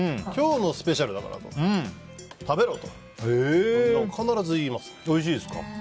今日のスペシャルだから食べろと必ず言いますね。